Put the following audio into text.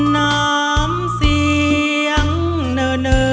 น้ำเสียงเนอ